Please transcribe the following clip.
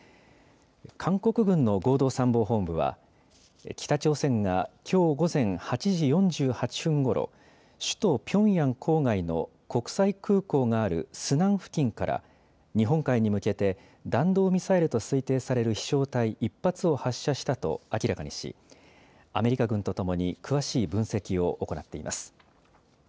韓国軍の合同参謀本部は北朝鮮がきょう午前８時４８分ごろ、首都ピョンヤン郊外の国際空港があるスナン付近から日本海に向けて弾道ミサイルと推定される飛しょう体１発を発射したと明らかにし、アメリカ軍とともに詳しい分析を行っています。